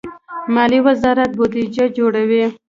مالیې وزارت بودجه جوړوي